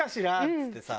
っつってさ。